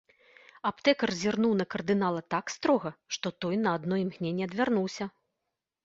Аптэкар зірнуў на кардынала так строга, што той на адно імгненне адвярнуўся.